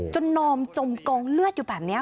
จนนอมจมกองเลือดอยู่แบบนี้ค่ะ